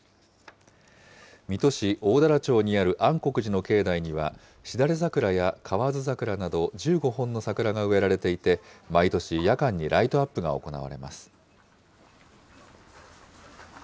水戸市大足町にある安国寺の境内には、しだれ桜や河津桜など、１５本の桜が植えられていて、毎年、夜間にライトアップが行われます。